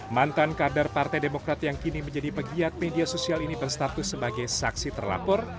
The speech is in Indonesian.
mantan kader partai demokrat yang kini menjadi pegiat media sosial ini berstatus sebagai saksi terlapor